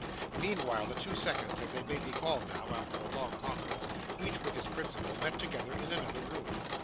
Meanwhile, the two seconds, as they may be called now, after a long conference, each with his principal, met together in another room.